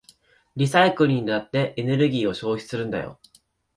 リサイクルにだってエネルギーを消費するんだよ。